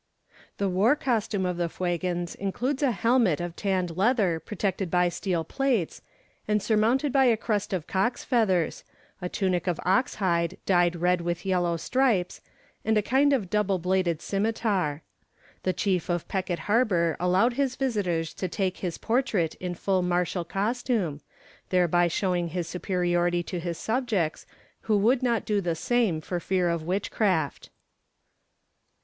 The war costume of the Fuegans includes a helmet of tanned leather protected by steel plates and surmounted by a crest of cock's feathers, a tunic of ox hide dyed red with yellow stripes, and a kind of double bladed scimitar. The chief of Peckett Harbour allowed his visitors to take his portrait in full martial costume, thereby showing his superiority to his subjects, who would not do the same for fear of witchcraft.